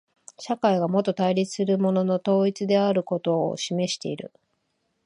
社会がもと対立するものの統一であることを示している。